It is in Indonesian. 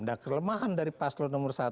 nah kelemahan dari paslaw nomor satu dan nomor tiga